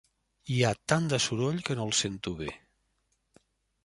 Hi ha tant de soroll que no el sento bé.